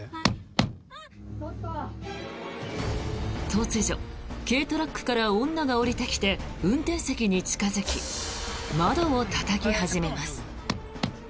突如、軽トラックから女が降りてきて、運転席に近付き窓をたたき始めます。